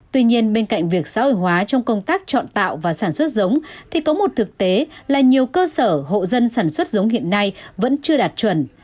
tuy nhiên bên cạnh việc xã hội hóa trong công tác chọn tạo và sản xuất giống thì có một thực tế là nhiều cơ sở hộ dân sản xuất giống hiện nay vẫn chưa đạt chuẩn